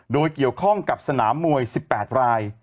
โดยเกี่ยวข้องกับสนามมวย๑๘ราย